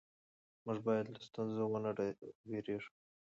موږ باید له ستونزو ونه وېرېږو